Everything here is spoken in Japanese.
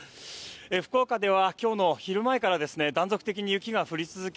福岡では今日の昼前から断続的に雪が降り続き